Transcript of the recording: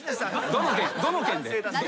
どの件で？